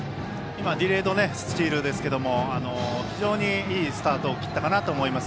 ディレードスチールですが非常に、いいスタートを切ったかなと思います。